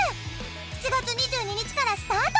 ７月２２日からスタート！